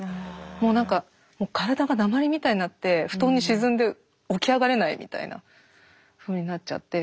もう何か体が鉛みたいになって布団に沈んで起き上がれないみたいなふうになっちゃって。